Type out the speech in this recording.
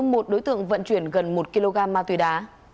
một đối tượng vận chuyển gần một kg ma túy đá